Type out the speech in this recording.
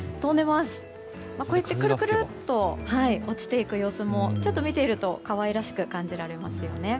こうやってくるくるっと落ちていく様子も見ていると可愛らしく感じますよね。